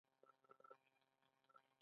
دوی خپل موقعیت کاروي.